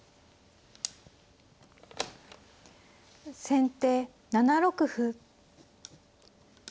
先手７六歩。